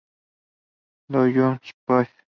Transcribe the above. Do You Puffy?